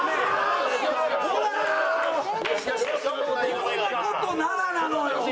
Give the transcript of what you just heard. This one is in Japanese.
こんな事ならなのよ！